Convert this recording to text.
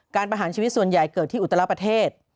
ประหารชีวิตส่วนใหญ่เกิดที่อุตรประเทศ